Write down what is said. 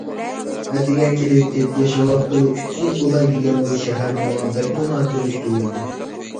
ئەتىگەن كېلىۋېتىپ، ياشاۋاتقىلى ئۈچ يىل بولاي دېگەن بۇ شەھەر ماڭا بەكمۇ ناتونۇش تۇيۇلدى.